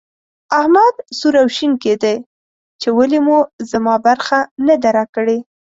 احمد سور او شين کېدی چې ولې مو زما برخه نه ده راکړې.